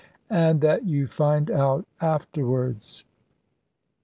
And that you find out afterwards.